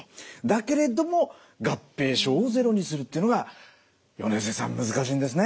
だけれども合併症をゼロにするっていうのが米瀬さん難しいんですね。